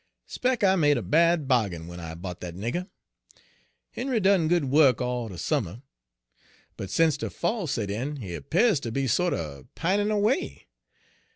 " 'Spec' I made a bad bahgin when I bought dat nigger. Henry done good wuk all de summer, but sence de fall set in he 'pears ter be sorter pinin' away.